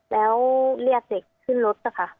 แล้วเรียกเด็กขึ้นรถนะคะ